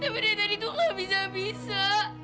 tapi dari tadi tuh gak bisa bisa